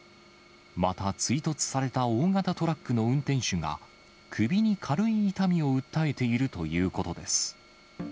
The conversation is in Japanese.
また、追突された大型トラックの運転手が、首に軽い痛みを訴えているということです。